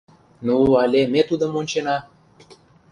Ну але ме тудым ончена!